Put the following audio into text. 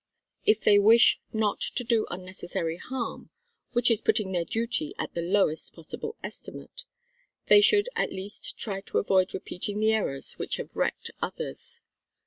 If they wish not to do unnecessary harm which is putting their duty at the lowest possible estimate they should at least try to avoid repeating the errors which have wrecked others.